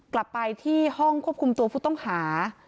กลับไปที่ห้องควบคุมตัวผู้ต้องหา